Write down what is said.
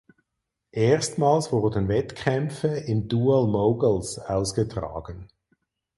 Erstmals wurden Wettkämpfe im Dual Moguls ausgetragen.